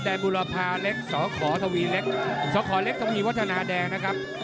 บุรพาเล็กสขทวีเล็กสขเล็กทวีวัฒนาแดงนะครับ